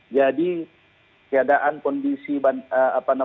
jadi keadaan kondisi demonstrasi